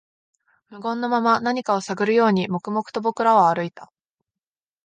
無言のまま、何かを探るように、黙々と僕らは歩いた